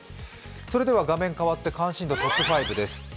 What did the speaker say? それでは画面変わって、関心度トップ５です。